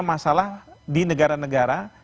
masalah di negara negara